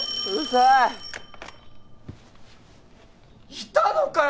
いたのかよ！